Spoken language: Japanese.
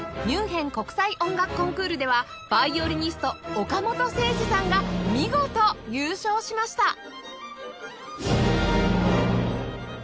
ミュンヘン国際音楽コンクールではヴァイオリニスト岡本誠司さんが見事優勝しました！